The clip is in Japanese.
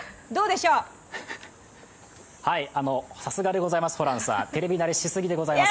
さすがでございますホランさん、テレビ慣れしすぎです。